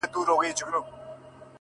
• د خان ورور هغه تعویذ وو پرانیستلی ,